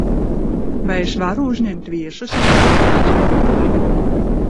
Vai es varu uzņemt viesus īrētajā dzīvoklī?